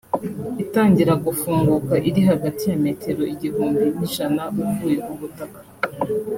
Itangira gufunguka iri hagati ya metero igihumbi n’ijana uvuye ku butaka